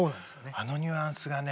あのニュアンスがね。